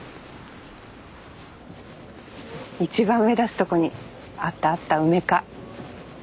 一番目立つとこにあったあったうめ課。